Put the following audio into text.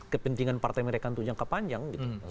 kepentingan partai mereka yang kepanjang